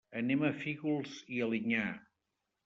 Anem a Fígols i Alinyà.